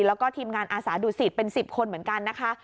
แล้วก็ทีมงานอาสาดุสิตเป็น๑๐คนเหมือนกันนะคะ